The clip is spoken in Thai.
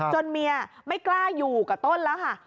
เมียไม่กล้าอยู่กับต้นแล้วค่ะ